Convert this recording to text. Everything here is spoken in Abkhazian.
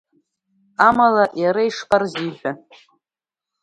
Амала иара ишԥарзиҳәа…